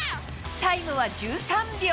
タイムは１３秒。